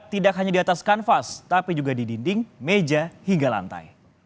tidak hanya di atas kanvas tapi juga di dinding meja hingga lantai